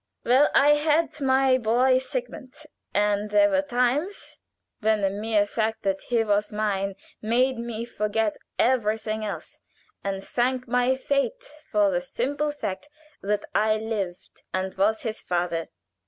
Well, I had my boy Sigmund, and there were times when the mere fact that he was mine made me forget everything else, and thank my fate for the simple fact that I lived and was his father.